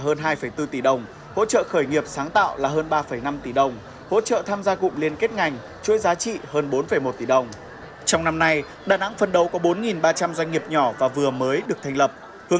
hướng tới năm hai nghìn hai mươi sáu là một mươi ba năm trăm linh doanh nghiệp